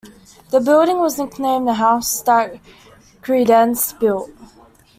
The building was nicknamed "The House That Creedence Built".